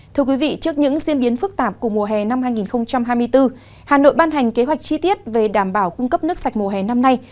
thưa quý vị trước những diễn biến phức tạp của mùa hè năm hai nghìn hai mươi bốn hà nội ban hành kế hoạch chi tiết về đảm bảo cung cấp nước sạch mùa hè năm nay